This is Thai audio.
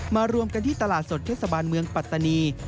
รวมกันที่ตลาดสดเทศบาลเมืองปัตตานี